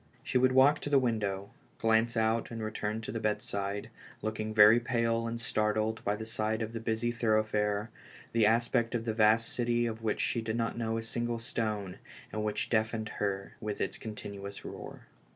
She would walk to the window, glance out and return to the bedside, looking very pale and startled by the sight 246 ALIVE IN DEATH. of the busy thoroughfare, the aspect of the vast city of which she did not know a single stone, and which deafened her with its continuous roar.